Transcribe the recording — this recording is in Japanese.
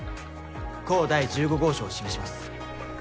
甲第１５号証を示します。